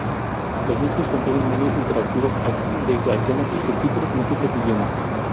Los discos contienen menús interactivos, acceso directo a escenas y subtítulos en múltiples idiomas.